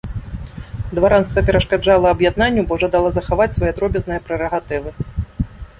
Дваранства перашкаджала аб'яднанню, бо жадала захаваць свае дробязныя прэрагатывы.